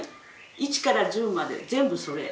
一から十まで全部それ。